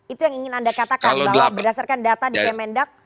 itu yang ingin anda katakan bahwa berdasarkan data di kemendak